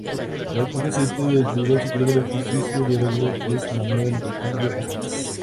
El actual presidente del Tribunal Superior de Justicia de Aragón es Manuel Bellido Aspas.